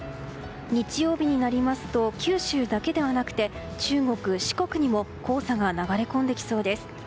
日曜日になりますと九州だけではなくて中国・四国にも黄砂が流れ込んできそうです。